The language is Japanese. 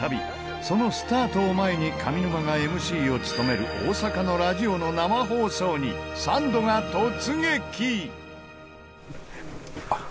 そのスタートを前に上沼がＭＣを務める大阪のラジオの生放送にサンドが突撃！